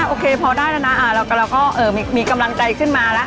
โอเคพอได้แล้วน่ะอ่าแล้วก็แล้วก็เอ่อมีมีกำลังใจขึ้นมาแล้ว